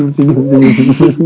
itu seluruh cinggung